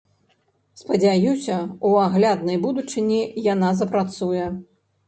Спадзяюся, у агляднай будучыні яна запрацуе.